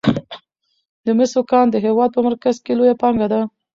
د مسو کان د هیواد په مرکز کې لویه پانګه ده.